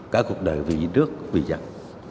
cả cuộc đời vì nước vì dân